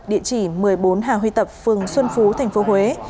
địa chỉ một mươi bốn hà huy tập phường xuân phú tp huế